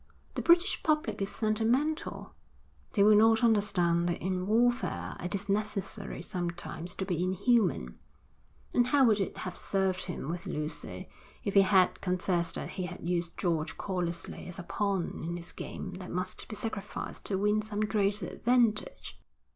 The British public is sentimental; they will not understand that in warfare it is necessary sometimes to be inhuman. And how would it have served him with Lucy if he had confessed that he had used George callously as a pawn in his game that must be sacrificed to win some greater advantage?'